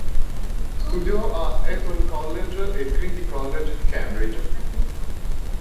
Studiò a Eton College e Trinity College di Cambridge.